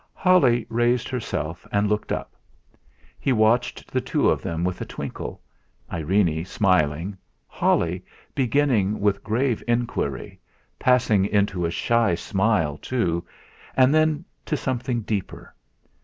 Holly raised herself and looked up. He watched the two of them with a twinkle, Irene smiling, Holly beginning with grave inquiry, passing into a shy smile too, and then to something deeper.